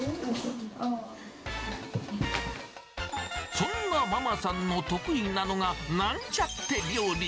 そんなママさんの得意なのが、なんちゃって料理。